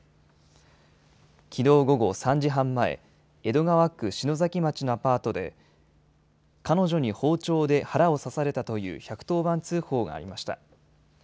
きのう午後３時半前、江戸川区篠崎町のアパートで、彼女に包丁で腹を刺されたという１１０番通報がありました。